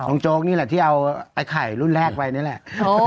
โจ๊กนี่แหละที่เอาไอ้ไข่รุ่นแรกไปนี่แหละ